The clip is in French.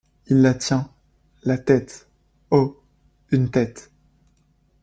Il la tient, la tête, oh! une tête !...